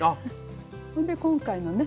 それで今回のね。